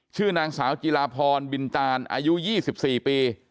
ชื่อนางสาวจิลาพรบินตานอายุ๒๔ปี